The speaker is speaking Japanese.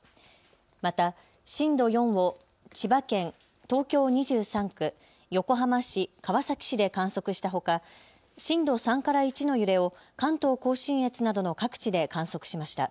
また震度４を千葉県、東京２３区、横浜市、川崎市で観測したほか震度３から１の揺れを関東甲信越などの各地で観測しました。